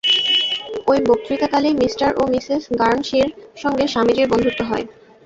ঐ বক্তৃতাকালেই মি ও মিসেস গার্নসির সঙ্গে স্বামীজীর বন্ধুত্ব হয়।